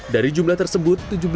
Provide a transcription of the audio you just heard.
dari jumlah tersebut